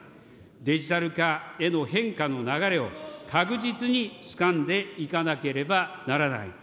デジタル化への変化の流れを確実につかんでいかなければならない。